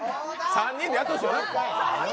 ３人でやってほしいな。